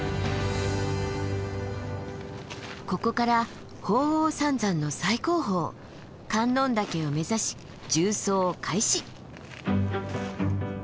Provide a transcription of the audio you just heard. ここから鳳凰三山の最高峰観音岳を目指し縦走開始。